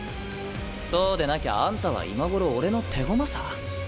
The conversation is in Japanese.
そうでなきゃあんたは今頃俺の手駒さ。